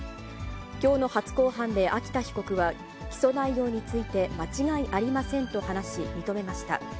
きょうの初公判で秋田被告は、起訴内容について、間違いありませんと話し、認めました。